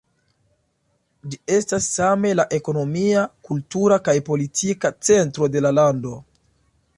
Ĝi estas same la ekonomia, kultura kaj politika centro de la lando.